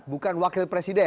bukan wakil presiden